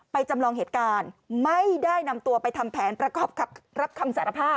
จำลองเหตุการณ์ไม่ได้นำตัวไปทำแผนประกอบรับคำสารภาพ